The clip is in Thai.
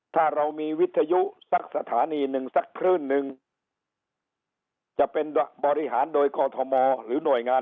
ถ้าเรามีวิทยุสักสถานีหนึ่งสักคลื่นนึงจะเป็นบริหารโดยกอทมหรือหน่วยงาน